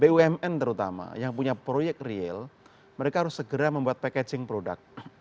bumn terutama yang punya proyek real mereka harus segera membuat packaging product